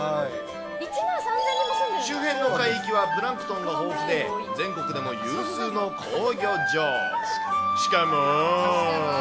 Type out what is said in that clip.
周辺の海域はプランクトンが豊富で、全国でも有数の好漁場。しかもー。